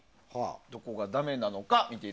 どこがダメなのか。